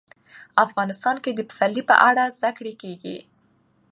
افغانستان کې د پسرلی په اړه زده کړه کېږي.